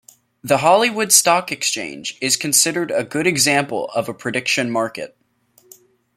The Hollywood Stock Exchange is considered a good example of a prediction market.